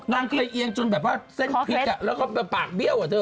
น้ำใกล้เอียงจนแบบว่าเส้นพลิกแล้วก็ปากเบี้ยวอ่ะเธอ